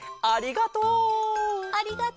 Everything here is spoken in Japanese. ありがとう！